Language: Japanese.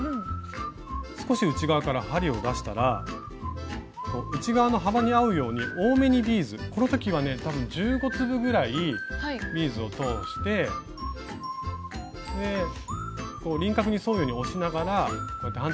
少し内側から針を出したら内側の幅に合うように多めにビーズこの時はね多分１５粒ぐらいビーズを通して輪郭に沿うように押しながらこうやって反対側に針を落とします。